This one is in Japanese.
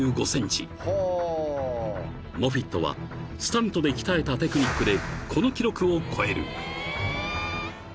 ［モフィットはスタントで鍛えたテクニックでこの記録を超える］